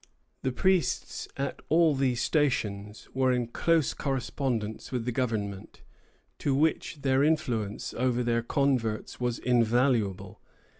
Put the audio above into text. The priests at all these stations were in close correspondence with the government, to which their influence over their converts was invaluable.